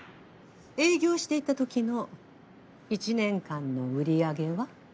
営業していたときの１年間の売り上げは？